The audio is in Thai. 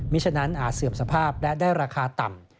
ฉะนั้นอาจเสื่อมสภาพและได้ราคาต่ำ